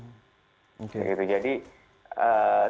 jadi sebenarnya sudah ada yang mengatakan